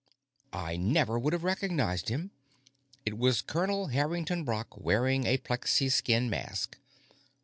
I never would have recognized him; it was Colonel Harrington Brock, wearing a plexiskin mask.